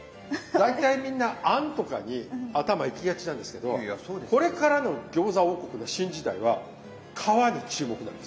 大体みんな餡とかに頭いきがちなんですけどこれからの餃子王国の新時代は皮に注目なんです。